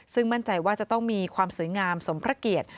ซึ่งมั่นใจว่าจะต้องมีความสวยงามสมพระเกียรติ